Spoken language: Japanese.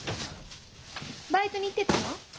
バイトに行ってたの？